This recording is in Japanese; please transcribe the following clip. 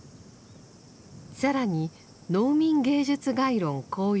更に「農民芸術概論綱要」